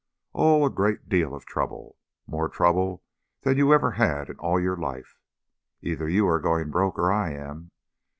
Oh, a great deal of trouble. More trouble than you ever had in all your life. Either you are going broke, or I am.